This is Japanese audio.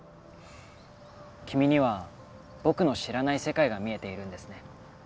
君には僕の知らない世界が見えているんですね